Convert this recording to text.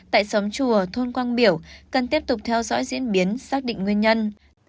tại xóm chùa thôn quang biểu cần tiếp tục theo dõi diễn biến xác định nguyên nhân